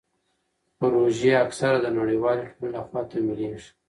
پروژې اکثر د نړیوالې ټولنې لخوا تمویلیږي.